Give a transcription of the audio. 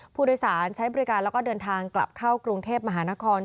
ผู้โดยสารใช้บริการแล้วก็เดินทางกลับเข้ากรุงเทพมหานคร